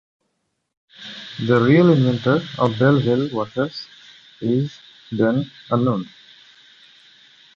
The real inventor of Belleville washers is, then, unknown.